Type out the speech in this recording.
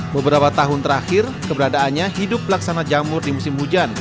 beberapa tahun terakhir keberadaannya hidup pelaksana jamur di musim hujan